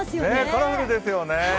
カラフルですよね